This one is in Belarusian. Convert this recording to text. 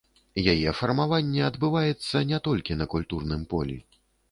Яе фармаванне адбываецца не толькі на культурным полі.